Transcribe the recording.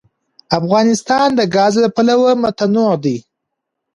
افغانستان د ګاز له پلوه متنوع دی.